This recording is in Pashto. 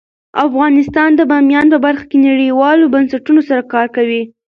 افغانستان د بامیان په برخه کې نړیوالو بنسټونو سره کار کوي.